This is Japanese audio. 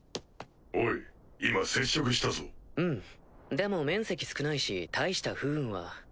でも面積少ないし大した不運は。